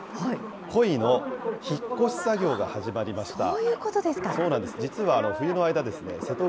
コイの引っ越し作業が始まりました。